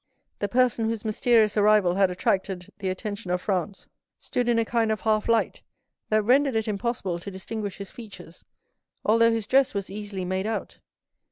The person whose mysterious arrival had attracted the attention of Franz stood in a kind of half light, that rendered it impossible to distinguish his features, although his dress was easily made out.